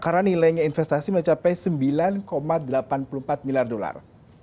karena nilainya investasi mencapai sembilan delapan puluh empat miliar dolar